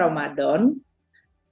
telah mengalokasikan di dalam apbn